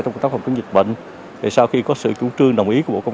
đồng ý của bộ công an